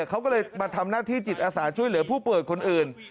เขาก็เลยมาทำหน้าที่จิตอาสาช่วยเหลือผู้ป่วยคนอื่น